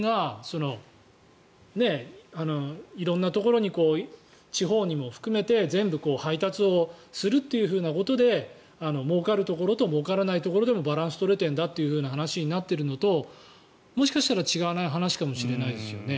だったらそれは郵便が色んなところに地方にも含めて全部、配達をするということでもうかるところともうからないところでもバランスが取れているんだという話になっているのともしかしたら違わない話かもしれないですよね。